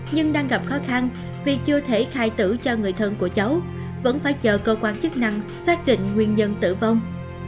nhưng đang gặp khó khăn vì chưa thể khai tử cho người thân của cháu vẫn phải chờ cơ quan chức năng xác định nguyên nhân tử vong